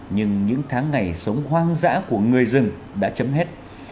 nhưng những tháng ngày sống hoang dã của người rừng đã chấm hết